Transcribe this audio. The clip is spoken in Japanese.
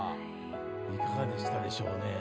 いかがでしたでしょうね。